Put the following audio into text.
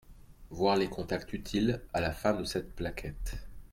voir les Contacts utiles à la fin de cette plaquette.